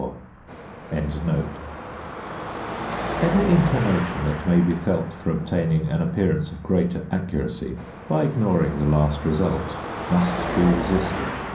2974 |++++ Any inclination that may be felt for obtaining an appearance of greater accuracy by ignoring the last result must be resisted.